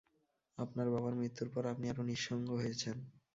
আপনার বাবার মৃত্যুর পর আপনি আরো নিঃসঙ্গ হয়েছেন।